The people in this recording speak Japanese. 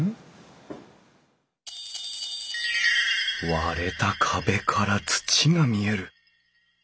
割れた壁から土が見える。